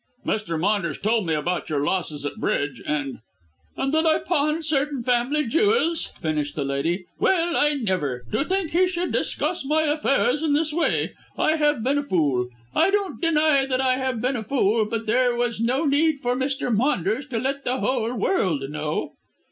"Mr. Maunders told me about your losses at bridge, and " "And that I pawned certain family jewels," finished the lady. "Well, I never! To think he should discuss my affairs in this way. I have been a fool: I don't deny that I have been a fool, but there was no need for Mr. Maunders to let the whole world know."